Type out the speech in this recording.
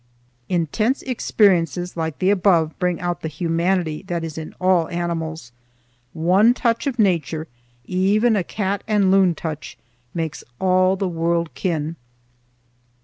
Intense experiences like the above bring out the humanity that is in all animals. One touch of nature, even a cat and loon touch, makes all the world kin.